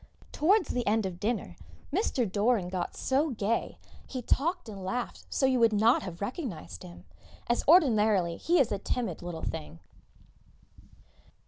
Towards the end of dinner Mr. Doran got so gay, he talked and laughed so you would not have recognised him, as ordinarily he is a timid little thing.